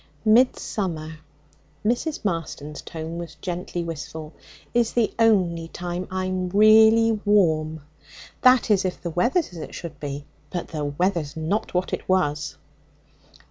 'Midsummer!' Mrs. Marston's tone was gently wistful 'is the only time I'm really warm. That is, if the weather's as it should be. But the weather's not what it was!'